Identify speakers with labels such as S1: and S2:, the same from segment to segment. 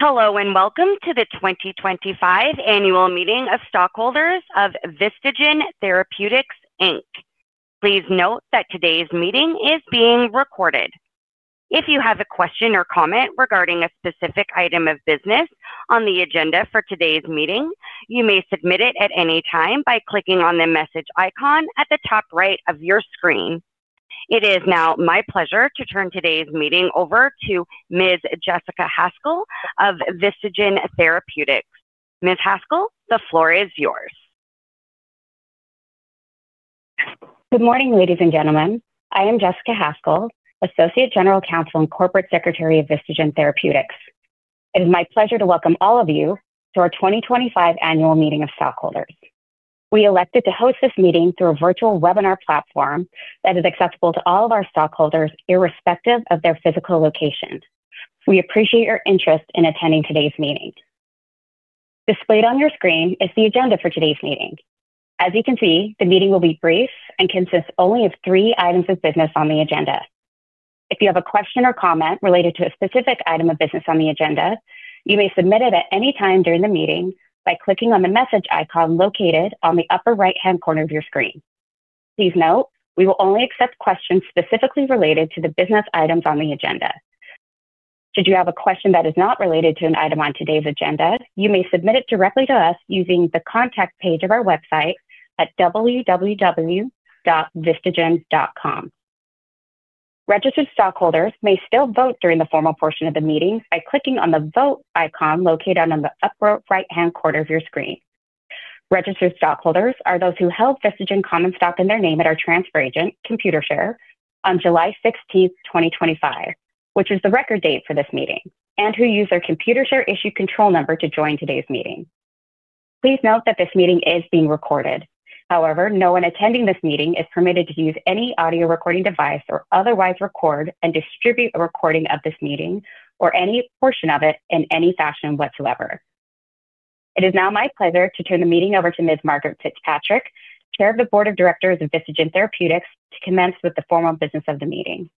S1: Hello and welcome to the 2025 annual meeting of stockholders of VistaGen Therapeutics, Inc. Please note that today's meeting is being recorded. If you have a question or comment regarding a specific item of business on the agenda for today's meeting, you may submit it at any time by clicking on the message icon at the top right of your screen. It is now my pleasure to turn today's meeting over to Ms. Jessica Haskell of VistaGen Therapeutics. Ms. Haskell, the floor is yours.
S2: Good morning, ladies and gentlemen. I am Jessica Haskell, Associate General Counsel and Corporate Secretary of VistaGen Therapeutics. It is my pleasure to welcome all of you to our 2025 annual meeting of stockholders. We elected to host this meeting through a virtual webinar platform that is accessible to all of our stockholders, irrespective of their physical location. We appreciate your interest in attending today's meeting. Displayed on your screen is the agenda for today's meeting. As you can see, the meeting will be brief and consist only of three items of business on the agenda. If you have a question or comment related to a specific item of business on the agenda, you may submit it at any time during the meeting by clicking on the message icon located on the upper right-hand corner of your screen. Please note, we will only accept questions specifically related to the business items on the agenda. Should you have a question that is not related to an item on today's agenda, you may submit it directly to us using the contact page of our website at www.vistagen.com. Registered stockholders may still vote during the formal portion of the meeting by clicking on the vote icon located on the upper right-hand corner of your screen. Registered stockholders are those who held VistaGen Common Stock in their name at our transfer agent, ComputerShare, on July 16, 2025, which was the record date for this meeting, and who used their ComputerShare-issued control number to join today's meeting. Please note that this meeting is being recorded. However, no one attending this meeting is permitted to use any audio recording device or otherwise record and distribute a recording of this meeting or any portion of it in any fashion whatsoever. It is now my pleasure to turn the meeting over to Ms. Margaret Fitzpatrick, Chair of the Board of Directors of VistaGen Therapeutics, to commence with the formal business of the meeting.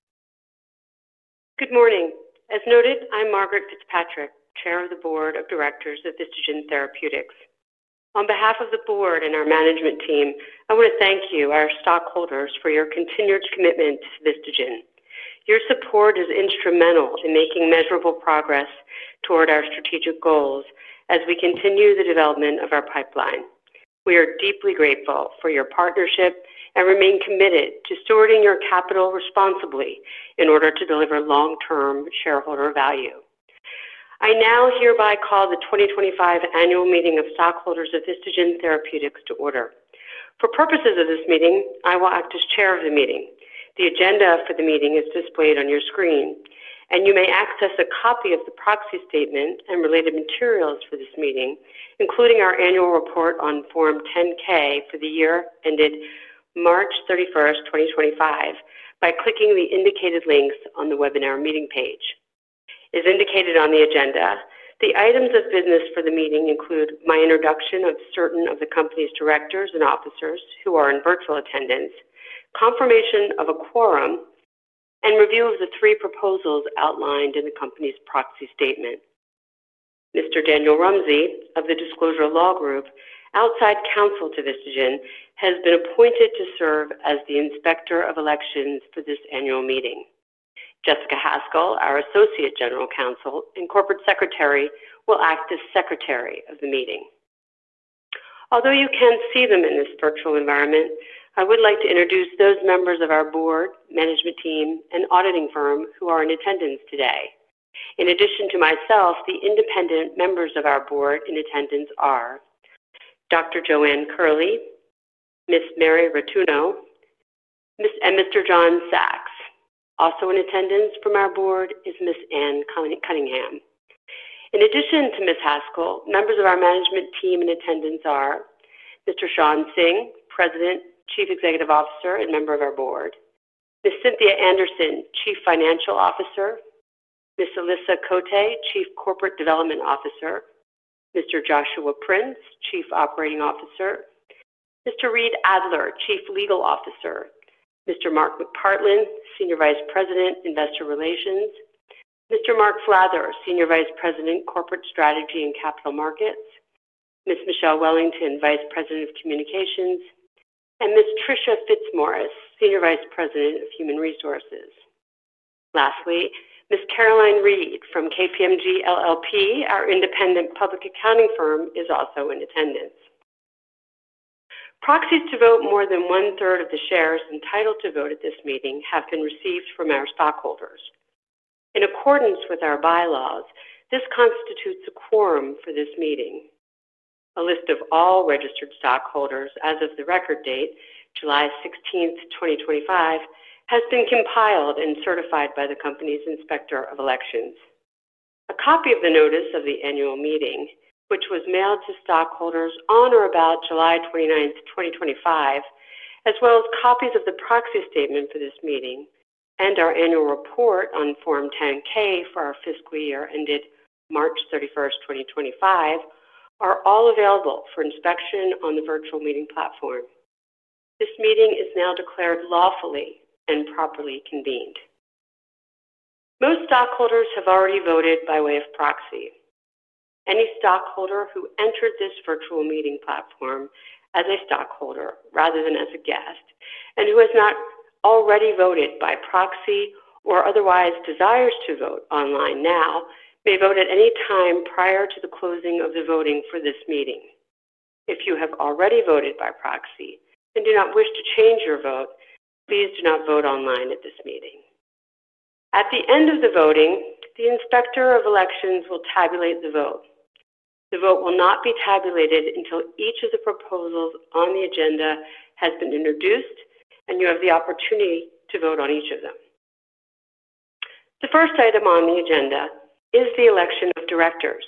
S3: Good morning. As noted, I'm Margaret Fitzpatrick, Chair of the Board of Directors of VistaGen Therapeutics. On behalf of the Board and our management team, I want to thank you, our stockholders, for your continued commitment to VistaGen. Your support is instrumental in making measurable progress toward our strategic goals as we continue the development of our pipeline. We are deeply grateful for your partnership and remain committed to stewarding your capital responsibly in order to deliver long-term shareholder value. I now hereby call the 2025 annual meeting of stockholders of VistaGen Therapeutics to order. For purposes of this meeting, I will act as Chair of the meeting. The agenda for the meeting is displayed on your screen, and you may access a copy of the proxy statement and related materials for this meeting, including our annual report on Form 10-K for the year ended March 31, 2025, by clicking the indicated links on the webinar meeting page. As indicated on the agenda, the items of business for the meeting include my introduction of certain of the company's directors and officers who are in virtual attendance, confirmation of a quorum, and review of the three proposals outlined in the company's proxy statement. Mr. Daniel Rumsey of the Disclosure Law Group, outside counsel to VistaGen, has been appointed to serve as the Inspector of Elections for this annual meeting. Jessica Haskell, our Associate General Counsel and Corporate Secretary, will act as Secretary of the meeting. Although you can't see them in this virtual environment, I would like to introduce those members of our Board, management team, and auditing firm who are in attendance today. In addition to myself, the independent members of our Board in attendance are Dr. Joanne Curley, Ms. Mary Ratuno, and Mr. John Sachs. Also in attendance from our Board is Ms. Anne Cunningham. In addition to Ms. Haskell, members of our management team in attendance are Mr. Shawn Singh, President, Chief Executive Officer, and member of our Board; Ms. Cynthia Anderson, Chief Financial Officer; Ms. Alyssa Cote, Chief Corporate Development Officer; Mr. Joshua Prince, Chief Operating Officer; Mr. Reid Adler, Chief Legal Officer; Mr. Mark McPartland, Senior Vice President, Investor Relations; Mr. Mark Flather, Senior Vice President, Corporate Strategy and Capital Markets; Ms. Michelle Wellington, Vice President of Communications; and Ms. Tricia Fitzmorris, Senior Vice President of Human Resources. Lastly, Ms. Caroline Reid from KPMG LLP, our independent registered public accounting firm, is also in attendance. Proxies to vote more than one-third of the shares entitled to vote at this meeting have been received from our stockholders. In accordance with our bylaws, this constitutes a quorum for this meeting. A list of all registered stockholders as of the record date, July 16, 2025, has been compiled and certified by the company's Inspector of Elections. A copy of the notice of the annual meeting, which was mailed to stockholders on or about July 29, 2025, as well as copies of the proxy statement for this meeting and our annual report on Form 10-K for our fiscal year ended March 31, 2025, are all available for inspection on the virtual meeting platform. This meeting is now declared lawfully and properly convened. Most stockholders have already voted by way of proxy. Any stockholder who entered this virtual meeting platform as a stockholder rather than as a guest and who has not already voted by proxy or otherwise desires to vote online now may vote at any time prior to the closing of the voting for this meeting. If you have already voted by proxy and do not wish to change your vote, please do not vote online at this meeting. At the end of the voting, the Inspector of Elections will tabulate the vote. The vote will not be tabulated until each of the proposals on the agenda has been introduced and you have the opportunity to vote on each of them. The first item on the agenda is the election of directors.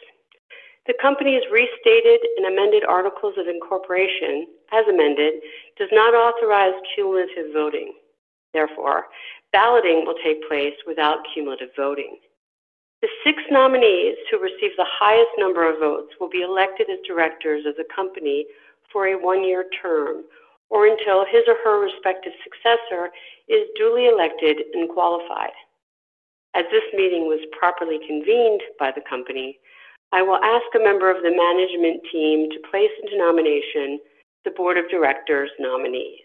S3: The company's restated and amended articles of incorporation, as amended, do not authorize cumulative voting. Therefore, balloting will take place without cumulative voting. The six nominees who receive the highest number of votes will be elected as directors of the company for a one-year term or until his or her respective successor is duly elected and qualified. As this meeting was properly convened by the company, I will ask a member of the management team to place into nomination the Board of Directors nominees.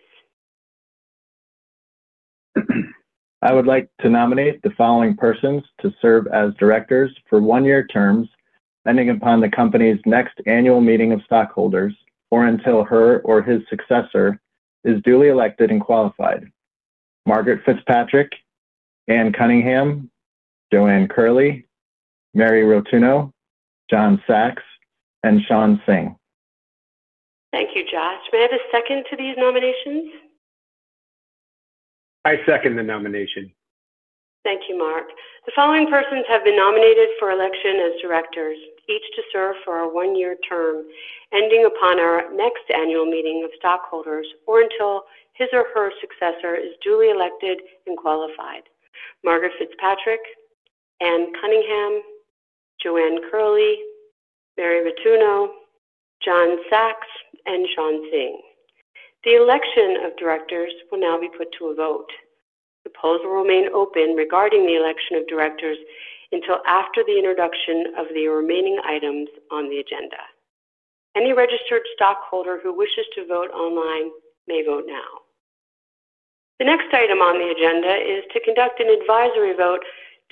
S4: I would like to nominate the following persons to serve as directors for one-year terms pending upon the company's next annual meeting of stockholders or until her or his successor is duly elected and qualified: Margaret Fitzpatrick, Anne Cunningham, Joanne Curley, Mary Ratuno, John Sachs, and Shawn Singh.
S3: Thank you, Josh. May I have a second to these nominations?
S5: I second the nomination.
S3: Thank you, Mark. The following persons have been nominated for election as directors, each to serve for a one-year term ending upon our next annual meeting of stockholders or until his or her successor is duly elected and qualified: Margaret Fitzpatrick, Anne Cunningham, Joanne Curley, Mary Ratuno, John Sachs, and Shawn Singh. The election of directors will now be put to a vote. The polls will remain open regarding the election of directors until after the introduction of the remaining items on the agenda. Any registered stockholder who wishes to vote online may vote now. The next item on the agenda is to conduct an advisory vote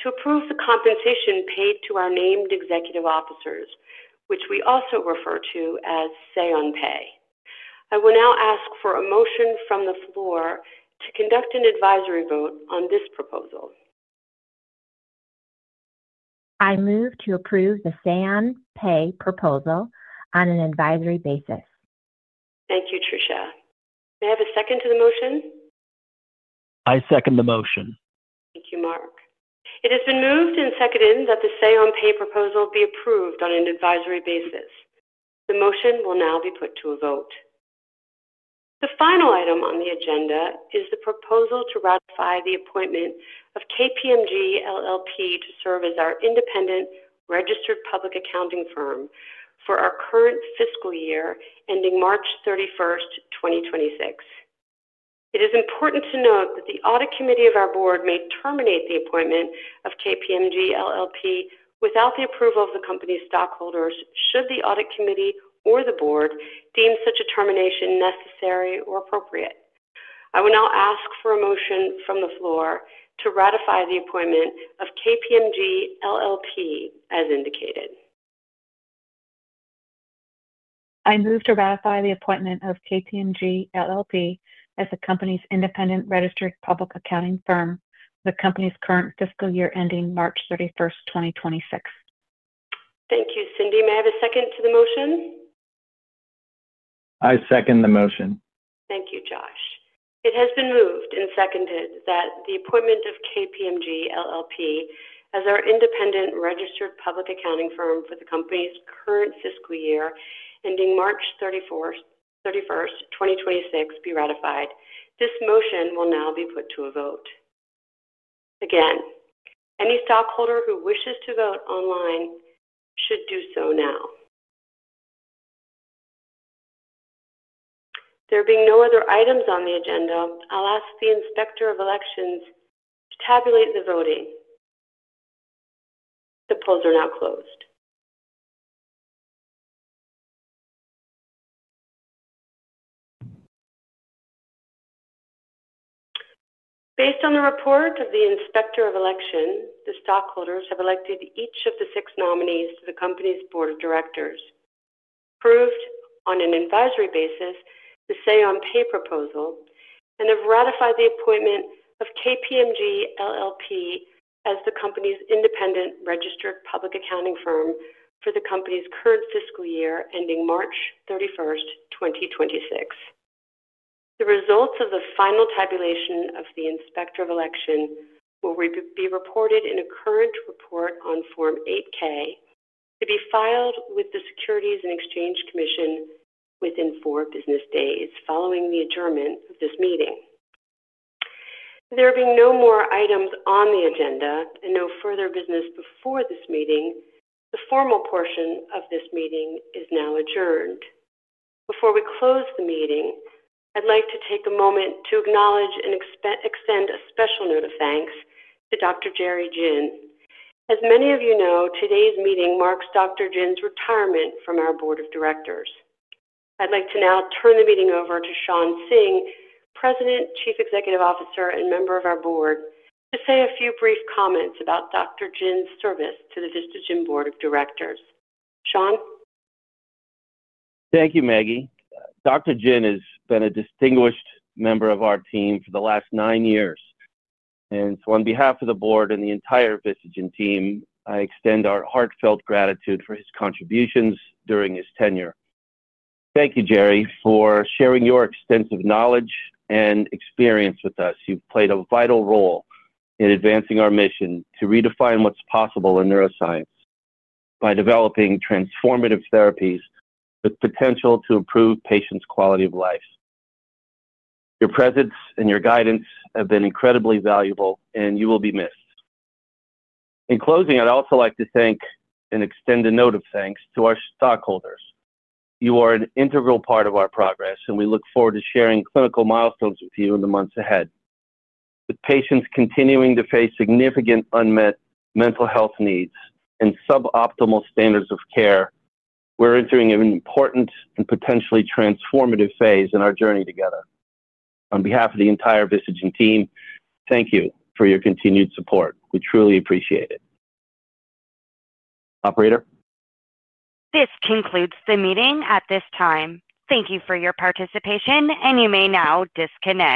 S3: to approve the compensation paid to our named executive officers, which we also refer to as Say on Pay. I will now ask for a motion from the floor to conduct an advisory vote on this proposal.
S6: I move to approve the Say on Pay proposal on an advisory basis.
S3: Thank you, Tricia. May I have a second to the motion?
S5: I second the motion.
S3: Thank you, Mark. It has been moved and seconded that the Say on Pay proposal be approved on an advisory basis. The motion will now be put to a vote. The final item on the agenda is the proposal to ratify the appointment of KPMG LLP to serve as our independent registered public accounting firm for our current fiscal year ending March 31, 2026. It is important to note that the Audit Committee of our Board may terminate the appointment of KPMG LLP without the approval of the company's stockholders should the Audit Committee or the Board deem such a termination necessary or appropriate. I will now ask for a motion from the floor to ratify the appointment of KPMG LLP as indicated.
S7: I move to ratify the appointment of KPMG LLP as the company's independent registered public accounting firm for the company's current fiscal year ending March 31, 2026.
S3: Thank you, Cynthia. May I have a second to the motion?
S4: I second the motion.
S3: Thank you, Josh. It has been moved and seconded that the appointment of KPMG LLP as our independent registered public accounting firm for the company's current fiscal year ending March 31, 2026, be ratified. This motion will now be put to a vote. Again, any stockholder who wishes to vote online should do so now. There being no other items on the agenda, I'll ask the Inspector of Elections to tabulate the voting. The polls are now closed. Based on the report of the Inspector of Elections, the stockholders have elected each of the six nominees to the company's Board of Directors, approved on an advisory basis the Say on Pay proposal, and have ratified the appointment of KPMG LLP as the company's independent registered public accounting firm for the company's current fiscal year ending March 31, 2026. The results of the final tabulation of the Inspector of Elections will be reported in a current report on Form 8-K to be filed with the SEC within four business days following the adjournment of this meeting. There being no more items on the agenda and no further business before this meeting, the formal portion of this meeting is now adjourned. Before we close the meeting, I'd like to take a moment to acknowledge and extend a special note of thanks to Dr. Jerry Jin. As many of you know, today's meeting marks Dr. Jin's retirement from our Board of Directors. I'd like to now turn the meeting over to Shawn Singh, President, Chief Executive Officer, and member of our Board, to say a few brief comments about Dr. Jin's service to the VistaGen Board of Directors. Shawn.
S8: Thank you, Maggie. Dr. Jin has been a distinguished member of our team for the last nine years, and on behalf of the Board and the entire VistaGen team, I extend our heartfelt gratitude for his contributions during his tenure. Thank you, Jerry, for sharing your extensive knowledge and experience with us. You've played a vital role in advancing our mission to redefine what's possible in neuroscience by developing transformative therapies with the potential to improve patients' quality of life. Your presence and your guidance have been incredibly valuable, and you will be missed. In closing, I'd also like to thank and extend a note of thanks to our stockholders. You are an integral part of our progress, and we look forward to sharing clinical milestones with you in the months ahead. With patients continuing to face significant unmet mental health needs and suboptimal standards of care, we're entering an important and potentially transformative phase in our journey together. On behalf of the entire VistaGen team, thank you for your continued support. We truly appreciate it. Operator.
S1: This concludes the meeting at this time. Thank you for your participation, and you may now disconnect.